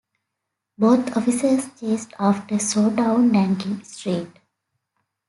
Both officers chased after Soh down Nankin Street.